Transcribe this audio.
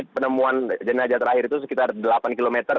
penemuan jenajah terakhir itu sekitar delapan kilometer